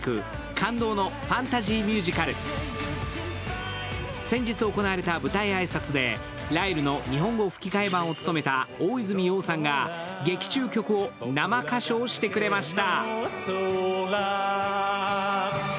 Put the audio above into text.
感動のファンタジー・ミュージカル先日行われた舞台挨拶でライルの日本語吹き替え版を務めた大泉洋さんが劇中曲を生歌唱してくれました。